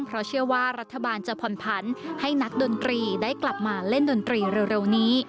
เพราะเชื่อว่ารัฐบาลจะผ่อนผันให้นักดนตรีได้กลับมาเล่นดนตรีเร็วนี้